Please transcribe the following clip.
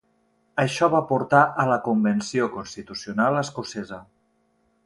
Això va portar a la Convenció Constitucional Escocesa.